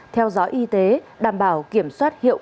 theo dõi y tế đảm bảo kiểm soát hiệu